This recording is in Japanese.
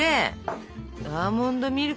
アーモンドミルクさ。